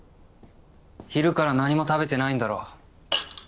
昼から何も食べてないんだろ。